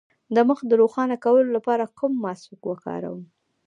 د مخ د روښانه کولو لپاره کوم ماسک وکاروم؟